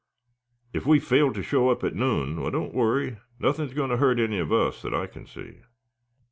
If we fail to show up at noon, why, don't worry. Nothing is going to hurt any of us, that I can see."